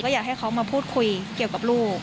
อยากให้เขามาพูดคุยเกี่ยวกับลูก